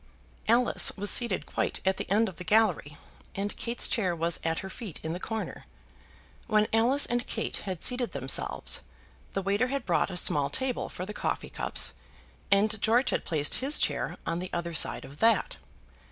Alice was seated quite at the end of the gallery, and Kate's chair was at her feet in the corner. When Alice and Kate had seated themselves, the waiter had brought a small table for the coffee cups, and George had placed his chair on the other side of that.